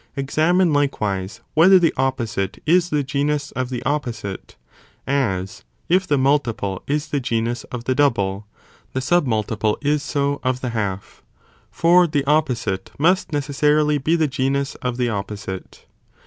. Examine, likewise, whether the opposite is the 10th. Whether . ς °. the opposite is genus of the opposite, as if the multiple is the the Scosite, genus of the double, the sub multiple is so, of the "half, for the opposite must necessarily be the genus of the opposite.